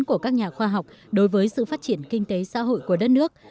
của các nhà khoa học đối với sự phát triển kinh tế xã hội của đất nước